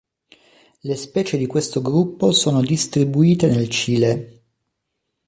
Le specie di questo gruppo sono distribuite nel Cile.